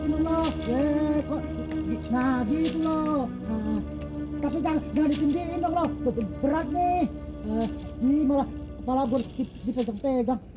loh eh kok nah gitu loh tapi jangan dikendalikan loh berat nih ini malah kepala gue dipegang